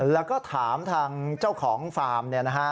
แล้วก็ถามทางเจ้าของฟาร์มเนี่ยนะฮะ